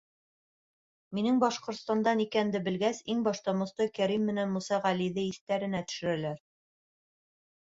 — Минең Башҡортостандан икәнде белгәс, иң башта Мостай Кәрим менән Муса Ғәлиҙе иҫтәренә төшөрәләр.